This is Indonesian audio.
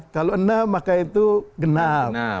kalau enam maka itu genap